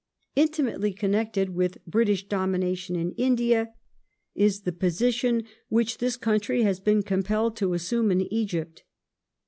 Intimately connected with British Dominion in India is the Egypt position which this country has been compelled to assume in Egypt.